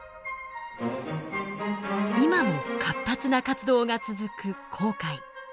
今も活発な活動が続く紅海。